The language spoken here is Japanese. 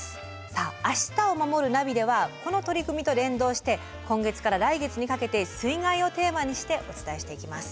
さあ「明日をまもるナビ」ではこの取り組みと連動して今月から来月にかけて水害をテーマにしてお伝えしていきます。